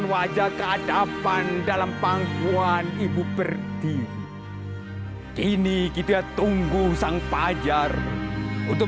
wajah kehadapan dalam pangkuan ibu perti kini kita tunggu sang pajar untuk